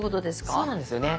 そうなんですよね。